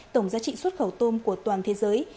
tổng giá trị xuất khẩu tôm của toàn thế giới